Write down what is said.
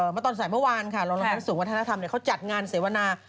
มาตอนสายเมื่อวานค่ะรองรับทั้งสูงวัฒนธรรมเนี่ยเขาจัดงานเสียวนา